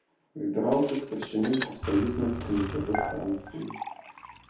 Выбіраўся старшынёй прафсаюзнага камітэта станцыі.